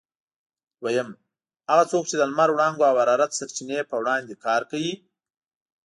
دوهم: هغه څوک چې د لمر وړانګو او حرارت سرچینې په وړاندې کار کوي؟